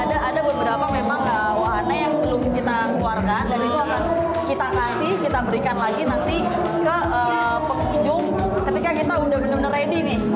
ada beberapa memang wahana yang belum kita keluarkan dan itu akan kita kasih kita berikan lagi nanti ke pengunjung ketika kita udah bener bener ready nih